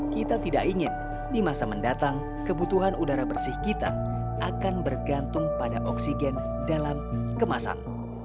kita tidak ingin di masa mendatang kebutuhan udara bersih kita akan bergantung pada oksigen dalam kemasan